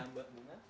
dari mbak bunga